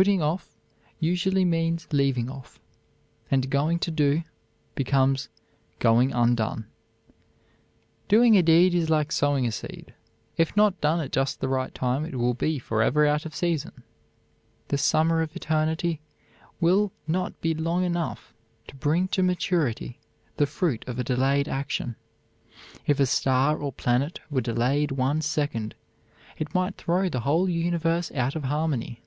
Putting off usually means leaving off, and going to do becomes going undone. Doing a deed is like sowing a seed: if not done at just the right time it will be forever out of season. The summer of eternity will not be long enough to bring to maturity the fruit of a delayed action. If a star or planet were delayed one second, it might throw the whole universe out of harmony.